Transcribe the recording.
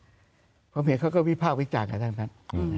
เพราะเหมือนเขาก็วิภาควิจารณ์กันด้านนั้น